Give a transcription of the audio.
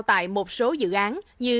tại một số dự án như